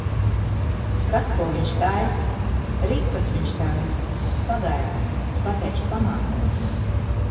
Skat, ko viņš taisa! Ripas viņš taisa. Pagaidi, es pateikšu pamātei.